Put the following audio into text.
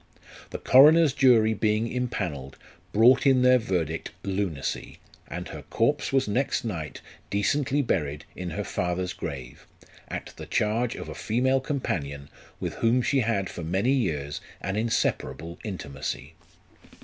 The coroner's jury being impanelled, brought in their verdict lunacy, and her corpse was next night decently buried in her father's grave, 1 at the charge of a female com panion, with whom she had for many years an inseparable intimacy.